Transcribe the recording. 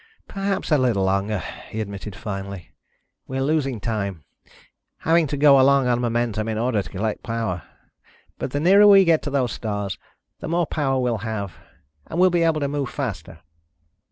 "Perhaps a little longer," he admitted finally. "We're losing time, having to go along on momentum in order to collect power. But the nearer we get to those stars, the more power we'll have and we'll be able to move faster."